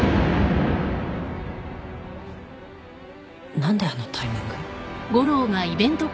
何であのタイミング？